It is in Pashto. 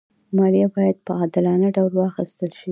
مالیه باید په عادلانه ډول واخېستل شي.